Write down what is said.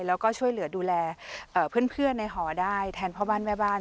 แล้วก็ช่วยเหลือดูแลเพื่อนในหอได้แทนพ่อบ้านแม่บ้าน